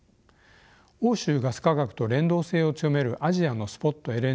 欧州ガス価格と連動性を強めるアジアのスポット